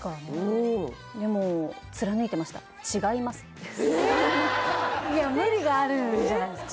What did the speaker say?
うんでもいや無理があるんじゃないですか？